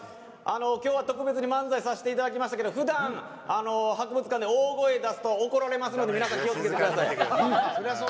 今日は特別に漫才させてもらいましたけどふだん博物館で大きな声を出すと怒られますので皆さん、気をつけてください。